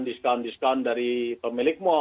diskaun diskaun dari pemilik mal